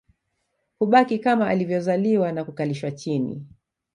Hubaki kama alivyozaliwa na kukalishwa chini